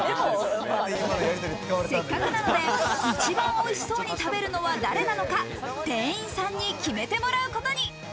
せっかくなので一番おいしそうに食べるのは誰なのか、店員さんに決めてもらうことに。